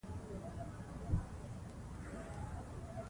ځان دوزخ او برزخ ته مه ورکوئ.